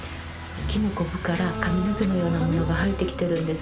木のコブから髪の毛のようなものが生えてきてるんです。